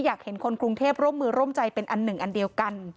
อยากเห็นคนกรุงเทพร่วมมือร่วมใจเป็นอันหนึ่งอันเดียวกัน